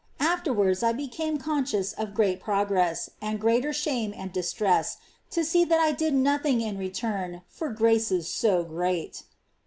Afterwards I became conscious of great progress, and greater shame and distress to see that I did nothing in return for graces so great.